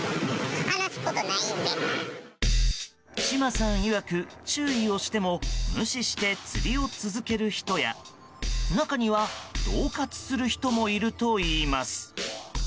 島さんいわく、注意をしても無視して釣りを続ける人や中には恫喝する人もいるといいます。